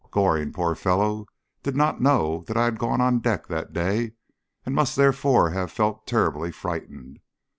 Goring, poor fellow, did not know that I had gone on deck that day, and must therefore have felt terribly frightened.